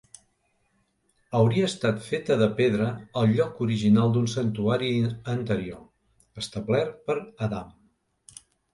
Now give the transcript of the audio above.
Hauria estat feta de pedra al lloc original d'un santuari anterior, establert per Adam.